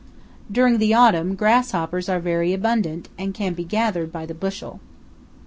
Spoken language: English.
During the autumn, grasshoppers are very abundant, can be gathered by the bushel.